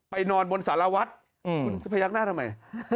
นอนบนสารวัฒน์คุณจะพยักหน้าทำไม